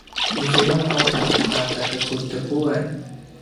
izua auta a tatekutekuan